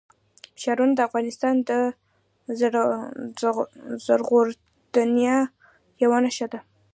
ښارونه د افغانستان د زرغونتیا یوه نښه ده.